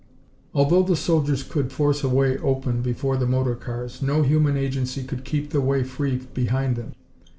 ] Although the soldiers could force a way open before the motor cars, no human agency could keep the way free behind them.